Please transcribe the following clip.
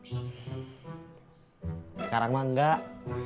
sekarang mah enggak